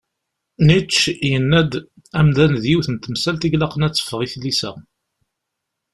Nietzsche yenna-d: Amdan d yiwet n temsalt i ilaqen ad teffeɣ i tlisa.